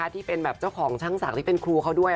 ที่เป็นแบบเจ้าของช่างศักดิ์เป็นครูเขาด้วย